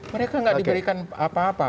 mereka tidak diberikan apa apa